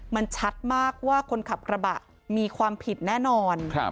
มันชัดมากว่าคนขับกระบะมีความผิดแน่นอน